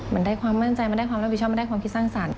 มันได้ความมั่นใจมันได้ความรับผิดชอบมันได้ความคิดสร้างสรรค์